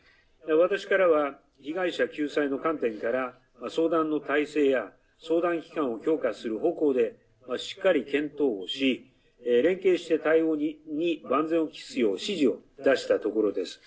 私からは被害者救済の観点から相談の態勢や相談機関を強化する方向でしっかり検討し連携して対応に万全を期すよう指示を出したところです。